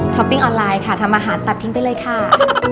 ปิ้งออนไลน์ค่ะทำอาหารตัดทิ้งไปเลยค่ะ